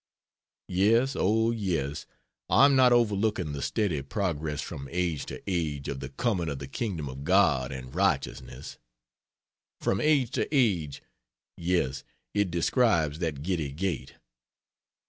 Yes, oh, yes, I am not overlooking the "steady progress from age to age of the coming of the kingdom of God and righteousness." "From age to age" yes, it describes that giddy gait.